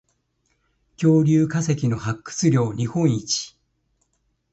恐竜化石の発掘量日本一